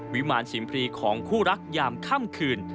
วิมารชิมพรีของคู่รักยามค่ำคืน